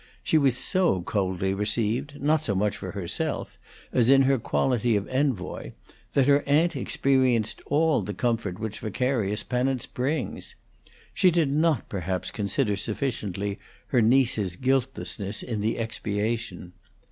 She was so coldly received, not so much for herself as in her quality of envoy, that her aunt experienced all the comfort which vicarious penance brings. She did not perhaps consider sufficiently her niece's guiltlessness in the expiation.